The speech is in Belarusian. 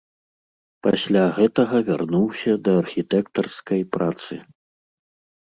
Пасля гэтага вярнуўся да архітэктарскай працы.